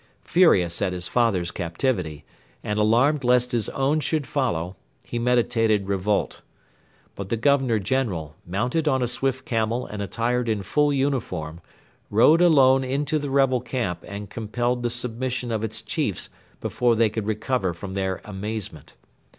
Furious at his father's captivity, and alarmed lest his own should follow, he meditated revolt. But the Governor General, mounted on a swift camel and attired in full uniform, rode alone into the rebel camp and compelled the submission of its chiefs before they could recover from their amazement.